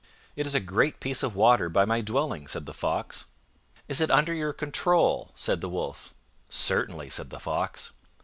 "It is a great piece of water by my dwelling," said the Fox. "Is it under your control?" said the Wolf. "Certainly," said the Fox.